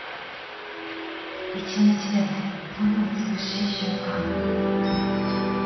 一日で最も美しい瞬間。